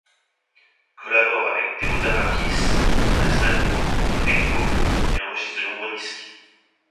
Collabore avec Theodorákis, Aznavour et Tenco et enregistre de nombreux disques.